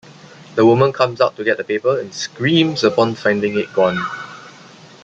The woman comes out to get the paper and screams upon finding it gone.